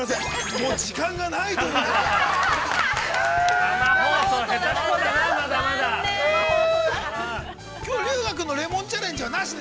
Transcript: もう時間がないということで。